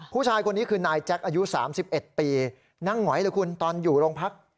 ผู้ชายคนนี้คือนายแจ็คอายุ๓๑ปีนั่งหงอยเลยคุณตอนอยู่โรงพัก